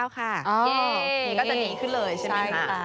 เย้ก็จะหนีขึ้นเลยใช่ไหมค่ะ